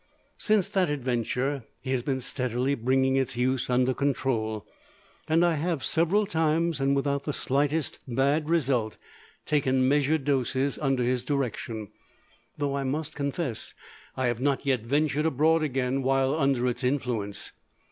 Since that adventure he has been steadily bringing its use under control, and I have several times, and without the slightest bad result, taken measured doses under his direction; though I must confess I have not yet ventured abroad again while under its influence.